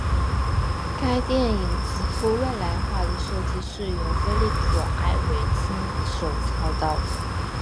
该电影极富未来化的设计是由菲利普埃维亲手操刀。